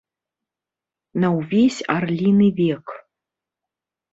На ўвесь арліны век.